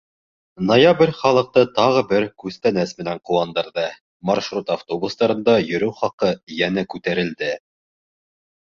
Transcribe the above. Ноябрь халыҡты тағы бер «күстәнәс» менән «ҡыуандырҙы»: маршрут автобустарында йөрөү хаҡы йәнә күтәрелде.